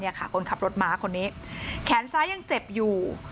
เนี้ยค่ะคนขับรถม้าคนนี้แขนซ้ายังเจ็บอยู่